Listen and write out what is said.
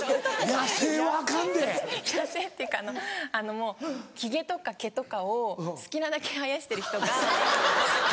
野性っていうかヒゲとか毛とかを好きなだけ生やしてる人が。